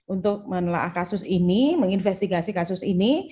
untuk menelaah kasus ini menginvestigasi kasus ini